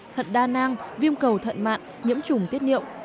thận đa nang viêm cầu thận mạn nhiễm chủng tiết niệm